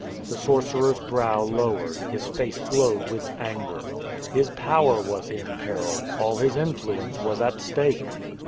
The sorcerer's brow lowered, his face glowed with anger. His power was in peril, all his influence was at stake.